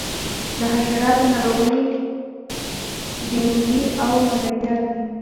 د حشراتو ناروغۍ ډینګي او ملیریا دي.